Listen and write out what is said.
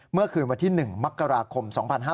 เมื่อคืนวันที่๑มกราคม๒๕๕๙